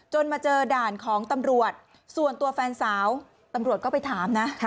มาเจอด่านของตำรวจส่วนตัวแฟนสาวตำรวจก็ไปถามนะ